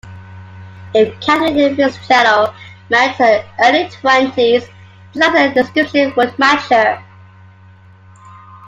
If Katherine FitzGerald married in her early twenties, this latter description would match her.